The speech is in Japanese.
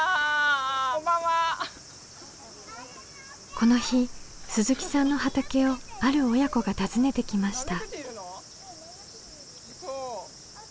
この日鈴木さんの畑をある親子が訪ねてきました。